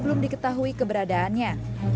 belum diketahui keberadaannya